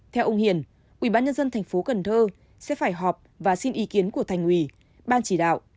theo ông hiền ubnd tp cần thơ sẽ phải họp và xin ý kiến của thành ủy ban chỉ đạo